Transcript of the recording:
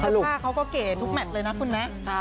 ภาพเขาก็เกลียดทุกแมทเลยนะคุณแนน่ะ